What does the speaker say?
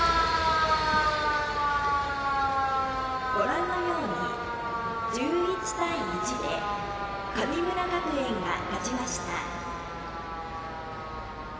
ご覧のように１１対１で神村学園が勝ちました。